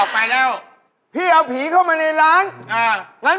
มาฆ่าเปิดผียังไง